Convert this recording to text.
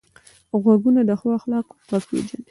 غوږونه د ښو اخلاقو غږ پېژني